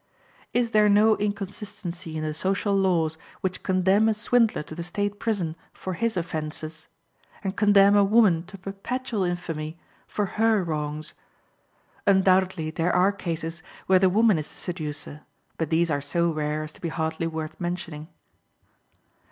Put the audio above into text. Is there no inconsistency in the social laws which condemn a swindler to the state prison for his offenses, and condemn a woman to perpetual infamy for her wrongs? Undoubtedly there are cases where the woman is the seducer, but these are so rare as to be hardly worth mentioning.